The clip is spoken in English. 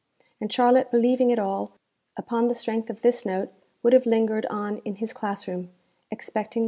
And Charlotte believing it all, upon the strength of this note, would have lingered on in his class room, expecting M.